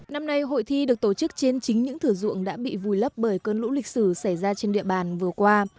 năm nay hội thi được tổ chức trên chính những thử dụng đã bị vùi lấp bởi cơn lũ lịch sử xảy ra trên địa bàn vừa qua